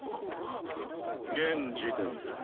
現時点で。